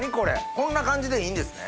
こんな感じでいいんですね？